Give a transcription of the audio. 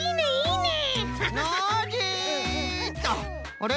あれ？